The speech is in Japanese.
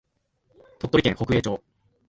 鳥取県北栄町